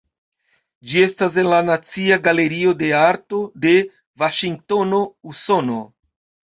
Ĝi estas en la Nacia Galerio de Arto de Vaŝingtono, Usono.